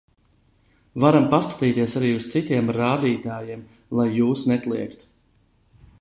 Varam paskatīties arī uz citiem rādītājiem, lai jūs nekliegtu.